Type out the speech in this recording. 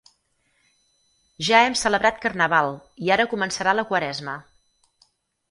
Ja hem celebrat Carnaval i ara començarà la Quaresma.